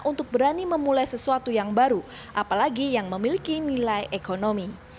untuk berani memulai sesuatu yang baru apalagi yang memiliki nilai ekonomi